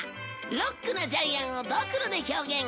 ロックなジャイアンをドクロで表現。